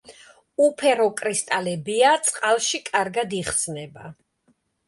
უფერო კრისტალებია, წყალში კარგად იხსნება.